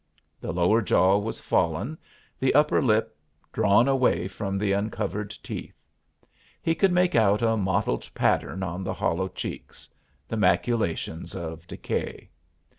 The lower jaw was fallen, the upper lip drawn away from the uncovered teeth. He could make out a mottled pattern on the hollow cheeks the maculations of decay.